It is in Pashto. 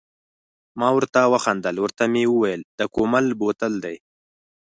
ما ورته و خندل، ورته مې وویل د کومل بوتل دی.